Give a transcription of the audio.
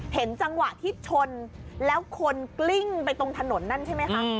เห็นจังหวะที่ชนแล้วคนกลิ้งไปตรงถนนนั่นใช่ไหมคะ